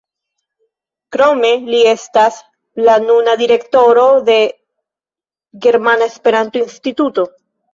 Krome li estas la nuna direktoro de Germana Esperanto-Instituto.